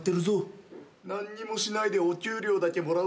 何にもしないでお給料だけもらうつもりですかぁ？